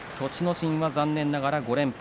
心は残念ながら５連敗。